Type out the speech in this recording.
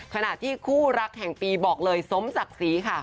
ขณะที่คู่รักแห่งปีบอกเลยสมศักดิ์ศรีค่ะ